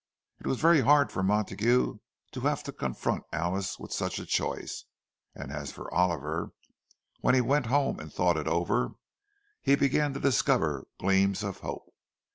It was very hard for Montague to have to confront Alice with such a choice; and as for Oliver, when he went home and thought it over, he began to discover gleams of hope.